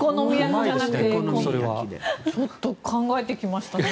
ちょっと考えてきましたね。